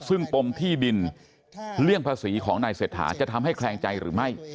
ซึ่งปมที่ดินเลี่ยงภาษีของนายเศรษฐาจะทำให้แคลงใจหรือไม่